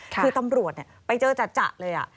คือตำรวจไปเจอจัดเลย